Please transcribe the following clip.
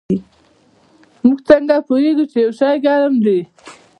موږ څنګه پوهیږو چې یو شی ګرم دی